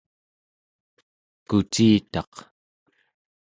kucitaq